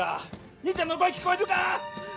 兄ちゃんの声聞こえるか！？